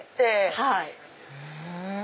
はい。